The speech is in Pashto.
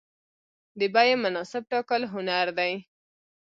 د بیې مناسب ټاکل هنر دی.